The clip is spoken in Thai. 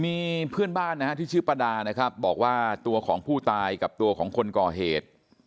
มีเพื่อนบ้านนะฮะที่ชื่อประดานะครับบอกว่าตัวของผู้ตายกับตัวของคนก่อเหตุ